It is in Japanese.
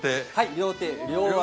両手両足。